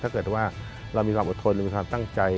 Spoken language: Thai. ถ้าเกิดว่าเรามีความอดทนหรือมีความตั้งใจ